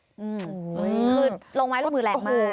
โอ้โหคือลงไว้ร่วมมือแรงมาก